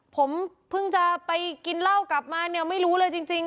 ผมเพิ่งจะไปกินเหล้ากลับมาเนี่ยไม่รู้เลยจริง